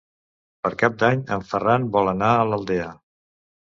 Per Cap d'Any en Ferran vol anar a l'Aldea.